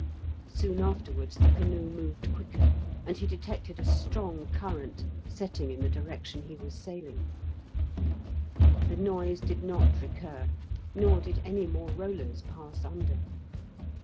Soon afterwards the canoe moved quicker, and he detected a strong current setting in the direction he was sailing. The noise did not recur, nor did any more rollers pass under.